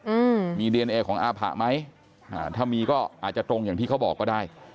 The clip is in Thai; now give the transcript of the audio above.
อืมมีดีเอนเอของอาผะไหมอ่าถ้ามีก็อาจจะตรงอย่างที่เขาบอกก็ได้